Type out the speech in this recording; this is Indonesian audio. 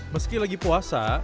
meski lagi puasa